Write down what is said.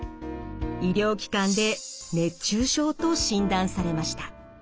医療機関で熱中症と診断されました。